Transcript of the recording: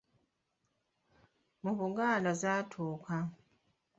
Mu Buganda zaatuuka.